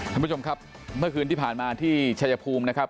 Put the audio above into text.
ท่านผู้ชมครับเมื่อคืนที่ผ่านมาที่ชายภูมินะครับ